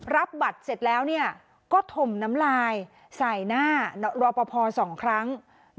รับบัตรเสร็จแล้วก็ถมน้ำลายใส่หน้ารอปภ๒ครั้ง